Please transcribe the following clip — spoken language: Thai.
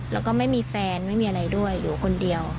แล้วก็ไม่มีแฟนไม่มีอะไรด้วยอยู่คนเดียว